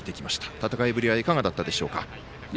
戦いぶりはいかがだったでしょうか？